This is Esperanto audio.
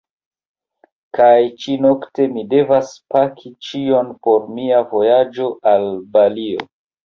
Kaj ĉi-nokte mi devas paki ĉion por mia vojaĝo al Balio.